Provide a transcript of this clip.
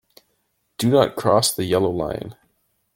Do not cross the yellow line.